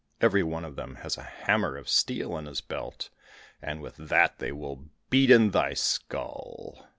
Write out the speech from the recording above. Every one of them has a hammer of steel in his belt, and with that they will beat in thy skull."